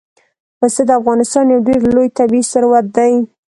پسه د افغانستان یو ډېر لوی طبعي ثروت دی.